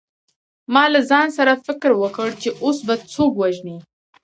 ما له ځان سره فکر وکړ چې اوس به څوک وژنې